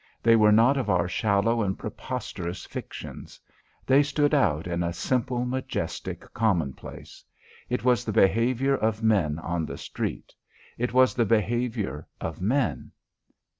They were not of our shallow and preposterous fictions. They stood out in a simple, majestic commonplace. It was the behaviour of men on the street. It was the behaviour of men.